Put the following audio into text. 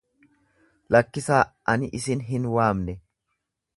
Lakkisaa, ani isin hin waamne!